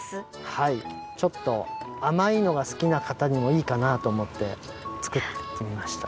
はいちょっとあまいのがすきなかたにもいいかなとおもって作ってみました。